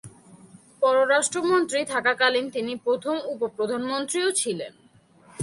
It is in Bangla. পররাষ্ট্রমন্ত্রী থাকাকালীন তিনি প্রথম উপ-প্রধানমন্ত্রীও ছিলেন।